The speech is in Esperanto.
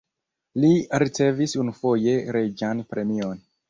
Li ricevis unufoje reĝan premion.